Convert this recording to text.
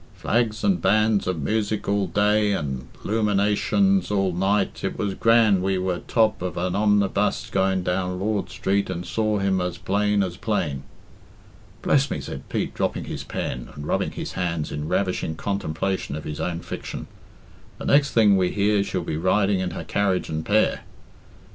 "flags and banns of musick all day and luminerashuns all night it was grand we were top of an umnibuss goin down lord strete and saw him as plane as plane" "Bless me," said Pete, dropping his pen, and rubbing his hands in ravishing contemplation of his own fiction; "the next thing we hear she'll be riding in her carriage and' pair."